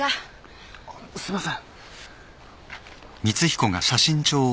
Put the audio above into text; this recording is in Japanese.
すいません。